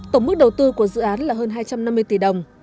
tổng mức đầu tư của dự án là hơn hai trăm năm mươi tỷ đồng